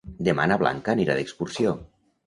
Demà na Blanca anirà d'excursió.